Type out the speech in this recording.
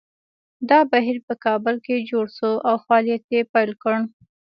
دا بهیر په کابل کې جوړ شو او فعالیت یې پیل کړ